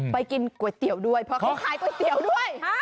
ไปกินก๋วยเตี๋ยวด้วยเพราะเขาขายก๋วยเตี๋ยวด้วย